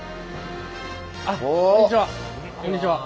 あっこんにちは。